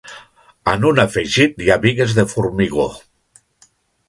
En un afegit hi ha bigues de formigó.